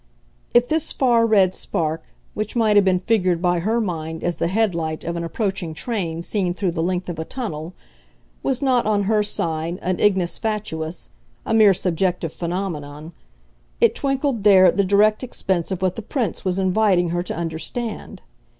If this far red spark, which might have been figured by her mind as the head light of an approaching train seen through the length of a tunnel, was not, on her side, an ignis fatuus, a mere subjective phenomenon, it twinkled there at the direct expense of what the Prince was inviting her to understand.